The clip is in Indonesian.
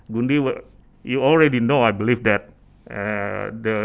gundi anda sudah tahu saya percaya